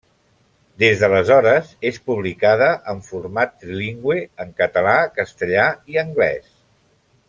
Des de l'aleshores, és publicada en format trilingüe, en català, castellà i anglès.